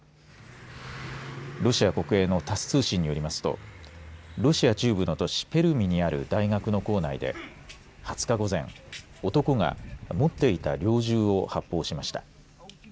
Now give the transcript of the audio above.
ロシア国営のタス通信よりますとロシア中部の都市ペルミにある大学の構内で２０日午前男が持っていた猟銃を発砲しました。